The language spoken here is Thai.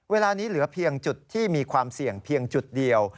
เวลานี้เหลือเพียงจุดที่มีความเสี่ยงเพียงจุดเดียว